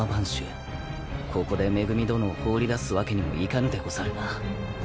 ここで恵殿を放り出すわけにもいかぬでござるな。